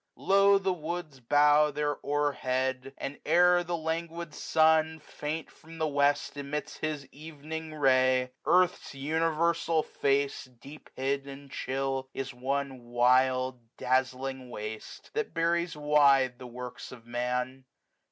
Low, the woods 235 Bow their hoar head ; and, ere the languid sun Faint from the west emits his evening ray. Earth's universal face, deep hid, and chill. Is one wild dazzling waste, that buries wide The works of Man.